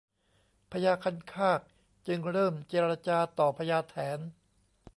พญาคันคากจึงเริ่มเจรจาต่อพญาแถน